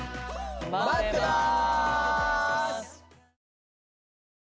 まってます！